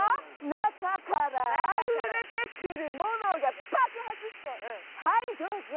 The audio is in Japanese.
中からあふれてくるものが爆発して、はい、どうぞ。